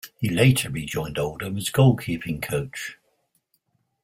He later rejoined Oldham as goalkeeping coach.